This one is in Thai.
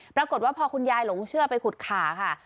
ปรากฏว่าพอคุณยายหลงเชื่อไปขุดขาค่ะ